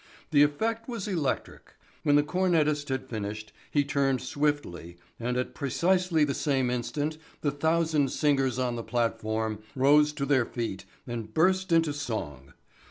The effect was electric. When the cornetist had finished he turned swiftly and at precisely the same instant the thousand singers on the platform rose to their feet and burst into song.